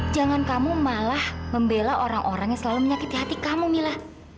jangan kamu malah membela orang orang yang selalu menyakiti hati kamu mila